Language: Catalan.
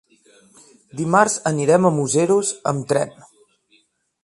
Dimarts anirem a Museros amb tren.